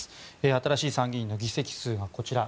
新しい参議院の議席数がこちら。